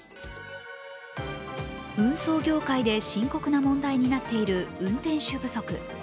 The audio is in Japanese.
運送業界で深刻な問題になっている運転手不足。